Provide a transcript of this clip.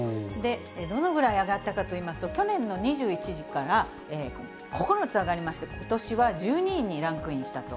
どのぐらい上がったかといいますと、去年の２１位から９つ上がりまして、ことしは１２位にランクインしたと。